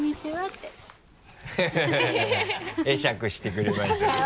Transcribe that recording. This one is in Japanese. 会釈してくれましたよ。